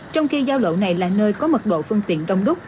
trong khi giao lộ này là nơi có mật độ phương tiện đông đúc